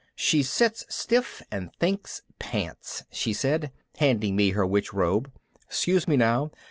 "She sits stiff and thinks pants," she said, handing me her witch robe. "'Scuse me now.